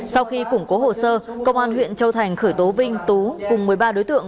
sau khi củng cố hồ sơ công an huyện châu thành khởi tố vinh tú cùng một mươi ba đối tượng